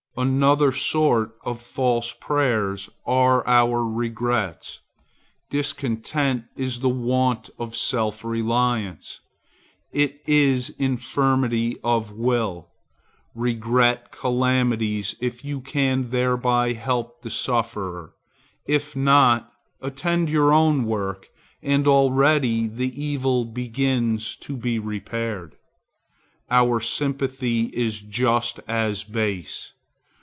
Another sort of false prayers are our regrets. Discontent is the want of self reliance: it is infirmity of will. Regret calamities if you can thereby help the sufferer; if not, attend your own work and already the evil begins to be repaired. Our sympathy is just as base.